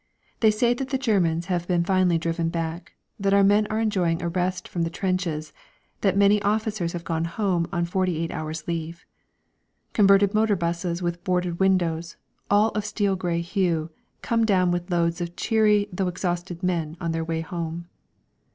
They say that the Germans have been finally driven back, that our men are enjoying a rest from the trenches, that many officers have gone home on forty eight hours' leave. Converted motor buses with boarded windows, all of steel grey hue, come down with loads of cheery though exhausted men on their way home.